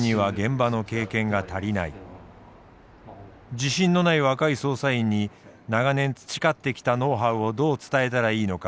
自信のない若い捜査員に長年培ってきたノウハウをどう伝えたらいいのか。